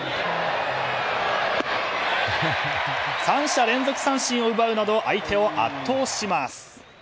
３者連続三振を奪うなど相手を圧倒します。